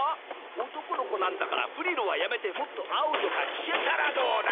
男の子なんだからフリルはやめてもっと青とか着せたらどうだ！